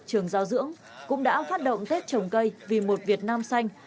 trường giao dưỡng cũng đã phát động thết trồng cây vì một việt nam xanh